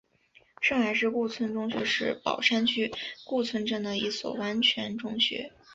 上海市顾村中学是宝山区顾村镇的一所完全中学。